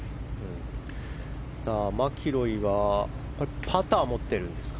マキロイはパターを持ってるんですか？